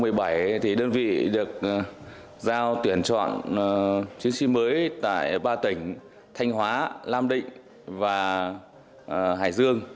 năm hai nghìn một mươi bảy thì đơn vị được giao tuyển chọn chiến sĩ mới tại ba tỉnh thanh hóa lam định và hải dương